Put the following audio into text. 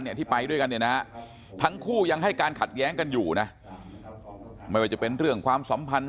ที่ไปด้วยกันเนี่ยนะทั้งคู่ยังให้การขัดแย้งกันอยู่นะไม่ว่าจะเป็นเรื่องความสัมพันธ์